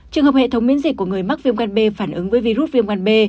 trường hợp hệ thống miễn dịch của người mắc viêm gan b phản ứng với virus viêm gan b